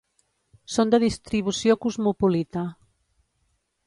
Són de distribució cosmopolita.